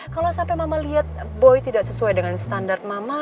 kalau sampai mama lihat boy tidak sesuai dengan standar mama